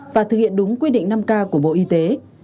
và thực hiện đúng quy định năm k của bộ y tế